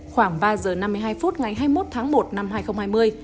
khoảng ba giờ năm mươi hai phút ngày hai mươi một tháng một năm hai nghìn hai mươi